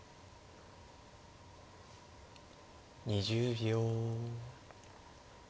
２０秒。